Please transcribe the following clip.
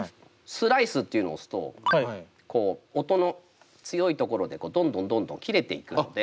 スライスっていうのを押すとこう音の強いところでどんどんどんどん切れていくので。